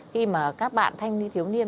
khi mà các bạn thanh thiếu niên